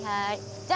じゃあね！